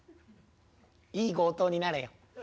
いい強盗になれよ。